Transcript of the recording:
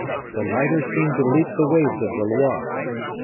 The lighter seemed to leap the mimic waves of the Loire.